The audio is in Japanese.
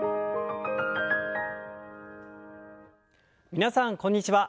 皆さんこんにちは。